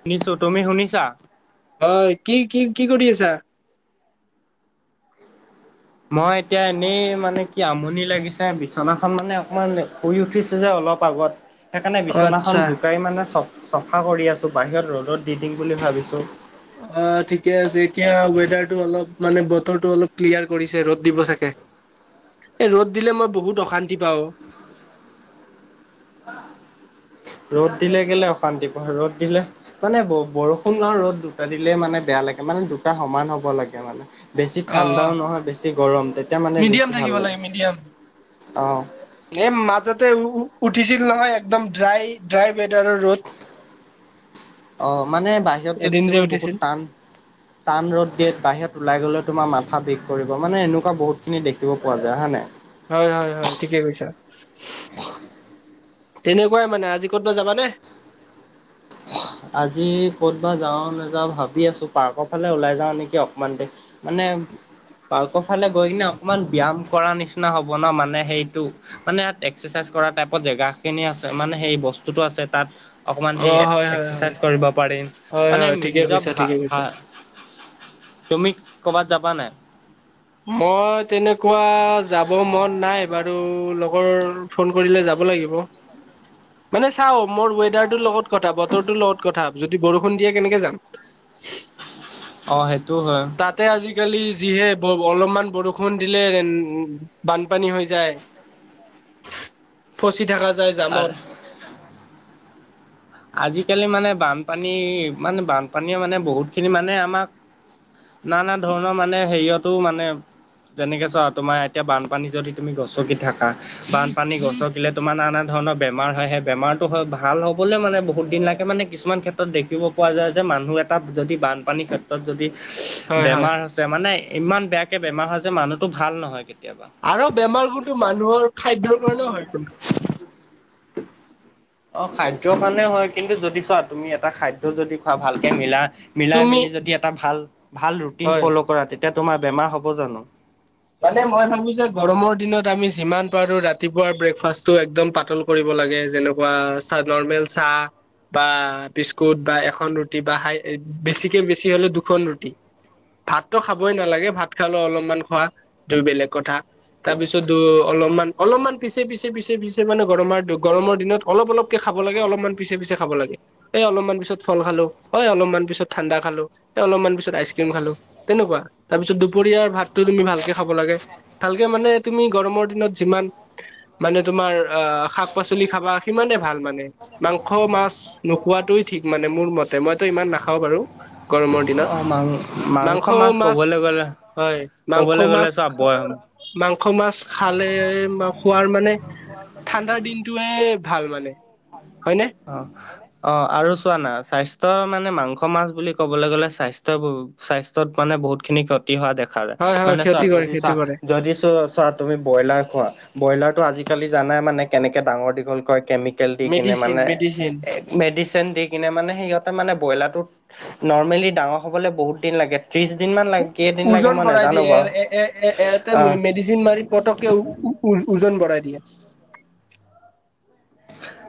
শুনিছোঁ, তুমি শুনিছা? হয়, কি-কি- কি কৰি আছা? মই এতিয়া এনেই মানে কি আমনি লাগিছে বিচনাখন মানে অকমান শুই উঠিছে যে অলপ আগত সেইকাৰণে অ বিছনাখন আচ্ছা জোকাৰি মানে চ-চফা কৰি আছোঁ, বাহিৰত ৰ'দত দি দিম বুলি ভাবিছোঁ। অ', ঠিকে আছে, এতিয়া ৱেডাৰটো অলপ মানে বতৰটো অলপ ক্লিয়াৰ কৰিছে, ৰ'দ দিব চাগে? এ, ৰ'দ দিলে মই বহুত অশান্তি পাওঁ অ'। [inaudible] ৰ'দ দিলে কেলে অশান্তি পাওঁ, ৰ'দ দিলে? মানে ব-বৰষুণ ৰ'দ দুটা দিলে মানে বেয়া লাগে, মানে দুটা সমান হ'ব লাগে মানে। বেছি অ অ ঠাণ্ডাও নহয়, বেছি গৰম। তেতিয়া মানে মিডিয়াম বেছি থাকিব ভাল লাগে, মিডিয়াম। অ'। এ, মাজতে উ-উঠিছিল নহয়, একদম ড্ৰাই, ড্ৰাই ৱেডাৰৰ ৰ'দ। অ', মানে বাহিৰত যদি এদিন যে তুমি উঠিছিল বহুত টান টান ৰ'দ দিয়ে, বাহিৰত ওলাই গ'লে তোমাৰ মাথা বিষ কৰিব, মানে এনেকুৱা বহুতখিনি দেখিব পোৱা যায় হয় নাই? হয়, হয়, হয়, ঠিকেই কৈছা। তেনেকুৱাই মানে, আজি ক'তবা যাবানে? আজি ক'তবা যাওঁ নাযাওঁ ভাবি আছোঁ, পাৰ্কৰ ফালে ওলাই যাওঁ নেকি অকমান দেৰি। মানে পাৰ্কৰ ফালে গৈ কিনে অকমান ব্যায়াম কৰা নিচিনা হ'ব ন, মানে সেইটো মানে ইয়াত এক্সাৰচাইজ কৰা টাইপত জেগাখিনি আছে, মানে সেই বস্তুটোতো আছে। তাত অকণমান অ সেই হয় হয় হয় এক্সাৰচাইজ কৰিব পাৰিম হয় মানে হয় ঠিকে নিজৰ কৈছা ঠিকে কৈছা। ভা-ভা তুমি কৰ'বাত যাবা নাই? মই তেনেকুৱা যাব মন নাই বাৰু, লগৰ ফোন কৰিলে যাব লাগিব। মানে চাওঁ মোৰ ৱেডাৰটোৰ লগত কথা বতৰটোৰ লগত কথা, যদি বৰষুণ দিয়ে কেনেকে যাম! অ', সেইটোও হয়। তাতে আজিকালি যিহে অ-অলপমান বৰষুণ দিলেন বানপানী হৈ যায়, ফচি থকা যায় জামত। আজিকালি মানে বানপানী মানে, বানপানীয়ে মানে বহুতখিনি মানে আমাক নানা ধৰণৰ মানে হেৰিয়তো মানে যেনেকে চোৱা তোমাৰ এতিয়া বানপানী যদি তুমি গছকি থাকা বানপানী গছকিলে তোমাৰ নানা ধৰণৰ বেমাৰ হয়, সেই বেমাৰতটো হয়, ভাল হ'বলে মানে বহুতদিন লাগে মানে কিছুমান ক্ষেত্ৰত দেখিব পোৱা যায় যে মানুহ এটা যদি বানপানীৰ ক্ষেত্ৰত যদি হয় বেমাৰ হৈছে, মানে ইমান বেয়াকে হয়, বেমাৰ যে মানুহটো ভাল নহয় কেতিয়াবা আৰু বেমাৰবোৰতো মানুহৰ খাদ্যৰ কাৰণেও হয়। অ', খাদ্য মানে হয়, কিন্তু যদি চোৱা তুমি এটা খাদ্য যদি খোৱা ভালকে মিলা মিলাই তুমি মেলি যদি এটা ভাল ভাল ৰুটিন হয় ফ'ল' কৰা, তেতিয়া তোমাৰ বেমাৰ হ'ব জানো? মানে মই ভাবোঁ যে গৰমৰ দিনত আমি যিমান পাৰো ৰাতিপুৱা ব্ৰেকফাষ্টটো একদম পাতল কৰিব লাগে যেনেকুৱা চাহ নৰ্মেল চাহ। বা বিস্কুট বা এখন ৰুটি বা হাই বেছিকে বেছি হ'লে দুখন ৰুটি। ভাততো খাবই নালাগে, ভাত খালে অলপমান খোৱা এইটো বেলেগ কথা। তাৰপিছত অলপমান অলপমান পিছে পিছে, পিছে পিছে মানে গৰমৰ গৰমৰ দিনত অলপ অলপকে খাব লাগে, অলপমান পিছে পিছে খাব লাগে। এ, অলপমান পিছত ফল খালোঁ, এ, অলপমান পিছত ঠাণ্ডা খালোঁ, এ, অলপমান পিছত আইচক্ৰীম খালোঁ। তেনেকুৱা, তাৰপিছত দুপৰীয়াৰ ভাতটো তুমি ভাল কে খাব লাগে, ভালকে মানে তুমি গৰমৰ দিনত যিমান মানে তোমাৰ অ' শাক পাচলি খাবা সিমানে ভাল মানে। মাংস, মাছ নোখোৱাটোই ঠিক মানে মোৰ মতে, মইতো ইমান নাখাওঁ বাৰু। গৰমৰ অ দিনত। মাং মাংস, মাছ, হয়। সৰু ক'বলৈ গ'লে চোৱা মাছ, বয় মা‍ংস‌ মাছ, শাক খোৱাৰ মানে ঠাণ্ডাৰ দিনটোয়ে ভাল মানে হয়নে? অ', অ' আৰু চোৱা না স্বাস্থ্যৰ মানে মাংস মাছ বুলি কবলৈ গ'লে স্বাস্থ্য স্বাস্থ্যত মানে বহুতখিনি ক্ষতি হোৱা দেখা যায়, হয় হয় মানে ক্ষতি চোৱা কৰে যদি চ ক্ষতি কৰে যদি চ চ তুমি বইলাৰ খোৱা, বায়লাৰটো আজিকালি জানাই মানে‌ কেনেকে ডাঙৰ দিঘল কৰে কেমি কেল দি কিনে মেডিচিন মানে মেডিচিন এ মেডিচিন দি কিনে মানে সিহঁতে মানে ব্ৰইলাৰটো নৰ্মেলি ডাঙৰ হ'বলৈ বহুত দিন লাগে। ত্ৰিশ দিন মান লাগে, কেইদিন লাগে ওজন মই নাজানো বাৰু, আ ডিচিন মাৰি পটককে ওজন বঢ়াই দিয়ে।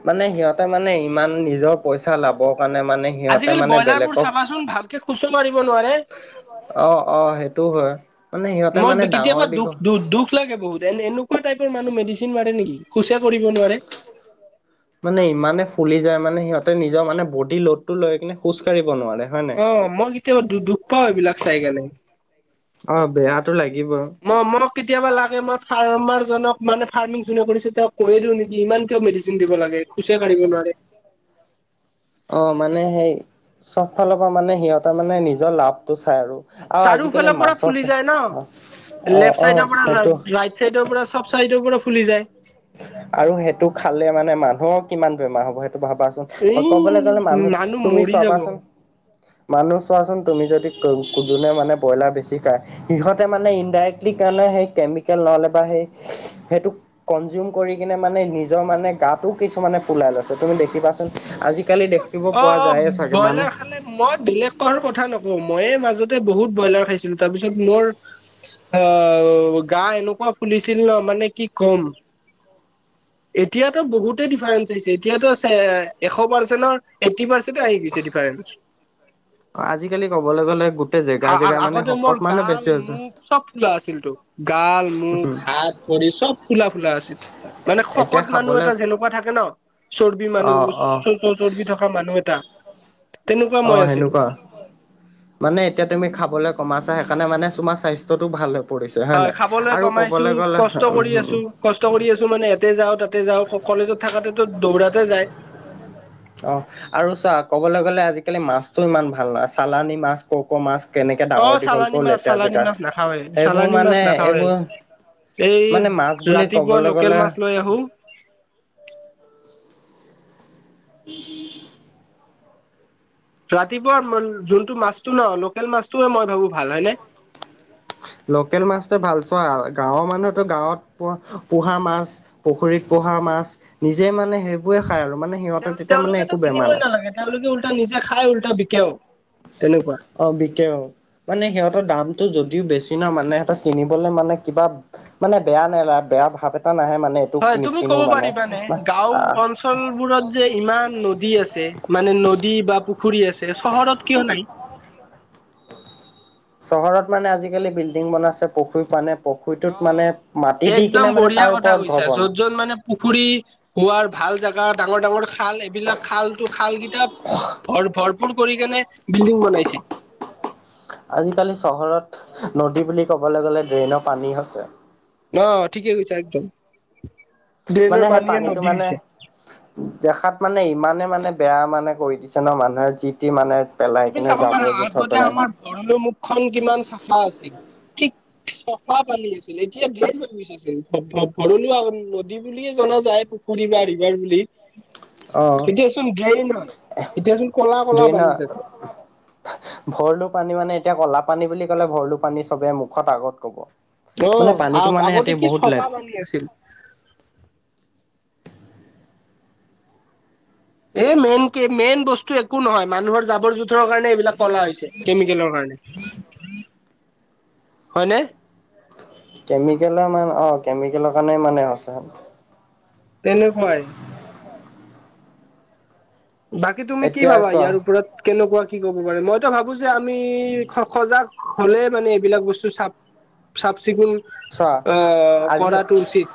মানে সিহঁতে মানে ইমান নিজৰ পইচা লাভৰ কাৰণে মানে সিহঁতে আজিকালি মানে ব্ৰইলাৰবোৰ বেলেগক চাবাচোন ভালকে খোজোঁ মাৰিব নোৱাৰে। অ', অ' সেইটোও হয়, মানে সিহঁতে মানে ডাঙৰ দীঘল দু-দুখ লাগে বহুত, এ-এনেকুৱা টাইপৰ মানুহ মেডিচিন মাৰে নেকি, খোজে কৰিব নোৱাৰে। মানে ইমানে ফুলি যায় মানে সিহঁতে নিজৰ মানে বডি লোডটো লৈ কিনে খোজ কঢ়িব নোৱাৰে। হয় নাই অ' মই কেতিয়াবা দু-দুখ পাও এইবিলাক চাই কেনে। অ বেয়াটো লাগিবই ম-মোক কেতিয়াবা লাগে মই ফাৰ্মাৰজনক মানে ফাৰ্মিং যোনে কৰিছে তেওঁক কৈয়ে দিও নেকি ইমান কিয় মেডিচিন দিব লাগে, খোজে কাঢ়িব নোৱাৰে। অ' মানে সেই চব ফালৰপৰা মানে সিহঁতেৰ মানে নিজৰ লাভটো চাই আৰু। আৰু আজিকালি চাৰিওফালৰ পৰা মাছৰ ফুলি যায় ন' অ অ লেফ্ট অ চাইডৰপৰা সেইটো ৰাইট চেইডৰপৰা চব চাইডৰপৰা ফুলি যায়। আৰু সেইটো খালে মানে মানুহৰ কিমান বেমাৰ হ'ব সেইটো ভাবাচোন। এই ক'বলৈ গ'লে মানুহ তুমি মৰি যাব অ চাবাচোন মানুহ চোৱাচোন তুমি যদি যোনে মানে ব্ৰইলাৰ বেছি খায় সিহঁতে মানে ইনডাইৰেক্টলি কাৰণে সেই কেমিকেল নহ'লে বা সেই সেইটোক কনজিউম কৰি কিনে মানে নিজৰ মানে গাটো কিছুমানে ফুলাই লৈছে তুমি দেখিবাচোন, আজি কালি দেখিব পোৱা অ যায় চাগে ব্ৰইলাৰ মানে খালে মই বেলেগ কাৰ কথা নকওঁ, মইে মাজতে বহুত ব্ৰইলাৰ খাইছিলোঁ তাৰপিছত মোৰ অ' গা এনেকুৱা ফুলিছিল ন' মানে কি ক'ম। এতিয়াতো বহুতে ডিফাৰেন্স আহিছে, এতিয়াতো এশ পাৰ্চেণ্টৰ এইটি পাৰ্চেণ্ট আহি গৈছে ডিফাৰেন্ঞ্চ। আজিকালি ক'বলৈ গ'লে গোটেই জেগা [inaudible] জেগা মানে আ-আগতে শকত মোৰ মানুহ বেছি গাল, হৈছে মুখ চব ফুলা আছিলতো। গাল, মুখ, হাত, ভৰি চব ফুলা ফুলা আছিল। মানে এতিয়া শকত মানুহ খাবলে এটা যেনেকুৱা থাকে ন' চৰ্বি অ মানুহ অ চ-চৰ্বি থকা মানুহ এটা তেনেকুৱা মই অ' আছিলো সেনেকুৱা। মানে এতিয়া তুমি খাবলৈ কমাইছা সেইকাৰণে মানে তোমাৰ স্বাস্থ্যটো ভাল হ'ব। হয় খাবলৈ কমাইছোঁ, কষ্ট কৰি উম আছোঁ, কষ্ট কৰি আছোঁ মানে তাতে যাওঁ, তাতে যাওঁ, কলেজত থাকাতেতো দৌৰাতে যায়। অ' আৰু চা ক'বলৈ গ'লে আজিকালি মাছতো ইমান ভাল নহয়, চালানী মাছ, কক মাছ কেনেকে অ ডাঙৰ দীঘল চালানী ক মাছ লেতেৰা চালানী মাছ জেগাত নাখাওৱে সেইবোৰ চালানী মাছ মানে নাখাওৱে এইবোৰ এই মানে মাছ বুলি ৰাতিপুৱা ক'বলৈ লোকেল গ'লে মাছ লৈ আহো [unintelligible] ৰাতিপুৱা যোনটো মাছটো ন, লোকেল মাছটোয়ে মই ভাবো ভাল হয় নে? লোকেল মাছটো ভাল চোৱা, গাঁৱৰ মানুহেতো গাঁৱত পোহা মাছ পুখুৰীত পোহা মাছ নিজে মানে সেইবোৰে খায় আৰু মানে তেওঁ সিহঁতৰ তেতিয়া মানে তেওঁলোকেতো একো বেমাৰ কিনিবই নাই। নালাগে তেওঁলোকে উল্টা নিজে খাই উল্টা বিকেও। তেনেকুৱা [inaudible] অ' বিকে অ' মানে সিহঁতৰ দামটো যদিও বেছি ন মানে সিহঁতৰ কিনিবলে মানে কিবা মানে বেয়া না, বেয়া ভাৱ এটা নাহে মানে। এইটো হয় তুমি নিকিনো ক'ব মানে পাৰিবাানে গাঁও আহ অঞ্চল অঞ্চলবোৰত যে ইমান নদী আছে, মানে নদী বা পুখুৰী আছে চহৰত কিয় নাই? চহৰত মানে আজিকালি বিল্ডিং বনাইছে পশুৰ পানে টোত মানে একদম বঢ়িয়া তাৰ কথা ওপৰত ঘৰ কৈছা, য'ত বনাই য'ত মানে পুখুৰী হোৱাৰ ভাল জেগা ডাঙৰ ডাঙৰ খাল, এইবিলাক খালটো খাল কিতাপ ভৰ ভৰপুৰ কৰি কেনে বিল্ডিং বনাইছে। আজিকালি চহৰত নদী বুলি ক'বলৈ গ'লে ড্ৰেইনৰ পানী হৈছে। অ' ঠিকেই হৈছে একদম। মানে ড্ৰেইনৰ সেই পানীয়ে পানীটো নদী মানে হৈছে। দেখাত মানে ইমানে মানে বেয়া মানে কৰি দিছে ন মানুহে যি টি মানে পেলাই কিনে, জাবৰ জোথৰ পেলাই ভৰলুৰ মুখখন কিমান চাফা আছিল, ঠিক চাফা পানী আছিল এতিয়া বেয়াই হৈ গৈ ভৰলু নদী বুলিয়ে জনা যায়, পুখুৰী বা ৰিভাৰ বুলি অ এতিয়াচোন ড্ৰেইন হয়, এতিয়াচোন কলা কলা পানী ড্ৰেইনৰ তাতে ভৰলু পানী মানে এতিয়া কলা পানী বুলি ক'লে ভৰলু পানী চবে মুখত আগত ক'ব। অ মানে পানীটো মানে সিহঁতি আগতে কি বহুত চফা লেট আছিল এই মেইন কে মেইন বস্তু একো নহয় মানুহৰ জাবৰ জোঁথৰৰ কাৰণে এইবিলাক কলা হৈছে কেমিকেলৰ কাৰণে হয়নে? কেমিকেলৰ মানে অ' কেমিকেলৰ কাৰণে মানে হৈছে। তেনেকুৱাই বাকী তুমি কি এতিয়া ভাবা চোৱা ইয়াৰ ওপৰত? কেনেকুৱা কি ক'ব পাৰে, মইতো ভাবো যে আমি সজাগ হ'লে মানে এইবিলাক বস্তু চাপ চাফ চিকুণ চোৱা আহ আজি কৰাটো উচিত।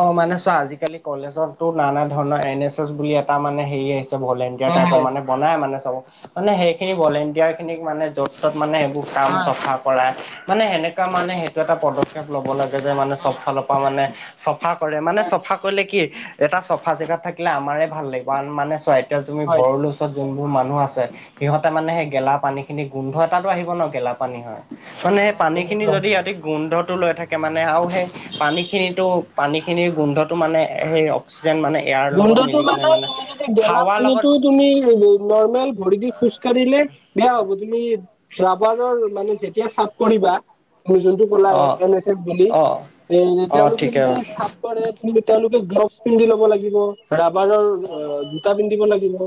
অ' মানে চোৱা আজিকালি কলেজত টো নানা ধৰণৰ এন এছ এছ বুলি এটা মানে হেৰি আহিছে ভলে কিয়া টাইপৰ হয় মানে বনাই মানে চব মানে সেইখিনি ভলেণ্টিয়াৰ খিনিক মানে য'ত ত'ত মানে সেইবোৰ কাম হয় হয় চফা কৰাই মানে সেনেকুৱা মানে সেইটো এটা পদক্ষেপ লব লাগে যে মানে চব হয় ফালৰ পৰা মানে চফা কৰে মানে, হয় চফা কৰিলে কি এটা চফা জেগাত থাকিলে আমাৰে ভাল লাগিব আন মানে চোৱা এতিয়া তুমি হয় হয় ভৰলু ত' যোনবোৰ মানুহ আছে সিহঁতে মানে সেই গেলা পানী খিনি গোন্ধ এটাতো আহিব ন, গেলা পানী হয়। মানে হয় পানী খিনি গোন্ধটো আহে যদি ৰাতি গোন্ধটো লৈ থাকে মানে আৰু সেই পানীখিনিতো, পানীখিনিৰ গোন্ধটো মানে সেই অক্সিজেন মানে এয়াৰ লগত গোন্ধটো মিলি কিনে মানে, তুমি যদি গেলা হাৱাৰ লগত পানীতো তুমি নৰ্মেল ভৰি দি খোজ কাঢ়িলে বেয়া হ'ব, তুমি ৰাবাৰৰ মানে যেতিয়া চাফ কৰিবা, যোনটো অ ওলাই, এন এছ এছ বুলি, অ এ অ তেওঁলোকে ঠিকে যদি চাফ কৰে কিন্তু তেওঁলোকে গ্ল'ভছ পিন্ধি ল'ব লাগিব। ৰাবাৰৰ জোতা পিন্ধিব লাগিব,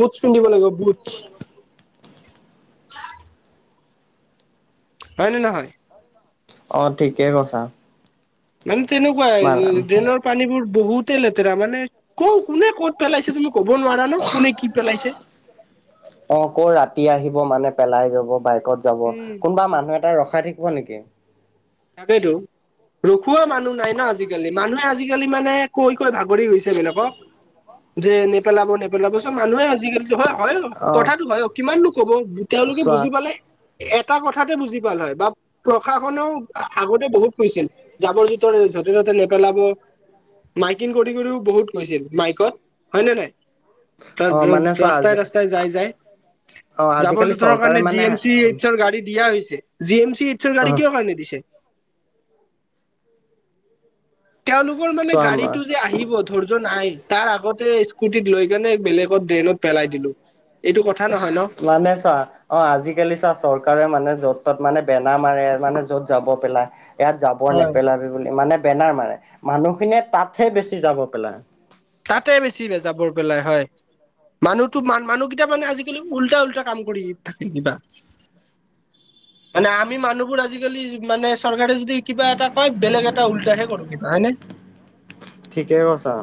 বুটছ পিন্ধিব লাগিব বুটছ। হয় নে নহয়? অ' ঠিকেই কৈছা। মানে তেনেকুৱাই মান ড্ৰেইনৰ পানীবোৰ বহুতে লেতেৰা মানে ক কোনে ক'ত পেলাইছে তুমি ক'ব নোৱাৰা ন কোনে কি পেলাইছে। অ, ক ৰাতি আহিব মানে পেলাই যাব বাইকত যাব কোনোবা মানুহ এটা ৰখাই থ হ'ব নেকি? তাকেইটো। ৰখোৱা মানুহ নাই ন' আজিকালি মানুহে আজিকালি মানে কৈ-কৈ ভাগৰি গৈছে বিলাকক। যে নেপেলাব-নেপেলাব, চব মানুহে আজিকালি হয়-হয় অ, কথাটো হয় অ, কিমানো ক'ব তেওঁলোকে চোৱা বুজি পালে। এটা কথাতে বুজি পালে হয় বা প্ৰশাসনেও আগতে বহুত কৈছিল, জাবৰ-জোথৰ য'তে ত'তে নেপেলাব, মাইকিন কৰি কৰিও বহুত কৈছিল, মাইকত হয় নে নাই। অ তাত মানে চোৱা আজি ৰাস্তাই-ৰাস্তাই যায়-যায়। অ জাবৰ আজিকালি জোথৰ চৰকাৰে কাৰণে জি মানে এম চি এইচৰ গাড়ী দিয়া হৈছে। জি এম চি এইচছৰ অ গড়ী কিহৰ কাৰণে দিছে? তেওঁলোকৰ মানে চোৱা গাড়ীতটো যে আহিব ধৈৰ্য নাই, তাৰ আগতে স্কুটিত লৈ কেনে বেলেগত ড্ৰেইনত পেলাই দিলো। এইটো কথা নহয় ন। মানে ছা। অ' আজিকালি চা চৰকাৰে মানে য'ত-ত'ত মানে বেনাৰ মাৰে মানে য'ত জাবৰ পেলাই ইয়াত যাবৰ হয়। নেপেলাবি বুলি মানে বেনাৰ মাৰে, মানুহখিনিয়ে তাতহে বেছি যাবৰ পেলায়। তাতে বেছি যাবৰ পেলাই, হয়। মানুহতো মানুহকেইটা মানে আজিকালি উল্টা-উল্টা কাম কৰি থাকে কিবা। [inaudible] মানে আমি মানুহবোৰ আজিকালি মানে চৰকাৰে যদি কিবা এটা কয়, বেলেগ এটা উল্টাহে কৰো কিবা হয় নে? ঠিকেই কৈছা।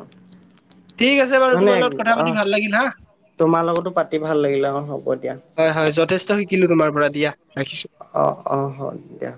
ঠিক আছে বাৰু মানে তোমাৰ লগত কথা পাতি আহ, ভাল লাগিল হা তোমাৰ লগতো পাতি ভাল লাগিলে, অ' হ'ব দিয়া। হয়-হয় যথেষ্ট শিকিলো তোমাৰ পৰা দিয়া, ৰাখিছো। অ', অ', হওক দিয়া।